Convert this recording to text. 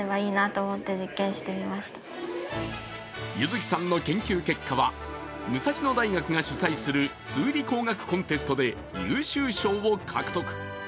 弓月さんの研究結果は武蔵野大学が主催する数理工学コンテストで優秀賞を獲得。